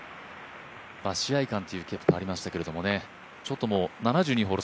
試合勘というケプカありましたけどちょっと７２ホール